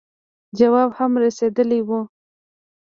جواب هم رسېدلی وو.